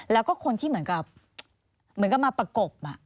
แล้วก็คนที่เหมือนกับมาประกบ